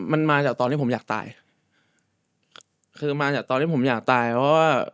มันมาจากตอนที่ผมอยากตายคือมาจากตอนที่ผมอยากตายเพราะว่า